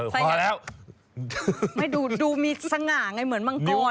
ไปแล้วไม่ดูดูมีสง่าไงเหมือนมังกร